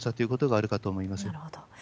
なるほど。